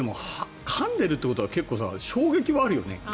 かんでいるってことは結構、衝撃はあるよね。